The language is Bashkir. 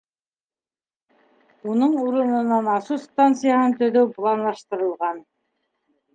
Уның урынына насос станцияһын төҙөү планлаштырылған.